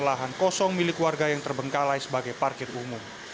lahan kosong milik warga yang terbengkalai sebagai parkir umum